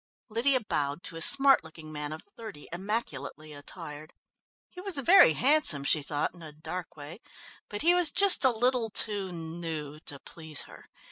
Lydia bowed to a smart looking man of thirty, immaculately attired. He was very handsome, she thought, in a dark way, but he was just a little too "new" to please her.